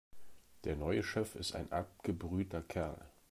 Der neue Chef ist ein abgebrühter Kerl.